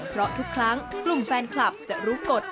เพราะทุกครั้งกลุ่มแฟนคลับจะรู้กฎ